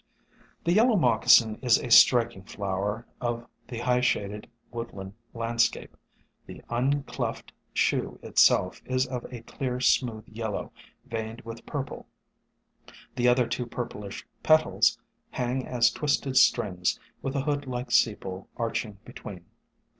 The Yellow Moccasin is a striking flower of the highshaded woodland landscape. The uncleft shoe itself is of a clear smooth yellow, veined with purple ; the other two purplish petals hang as twisted strings, with a hood like sepal arching be tween.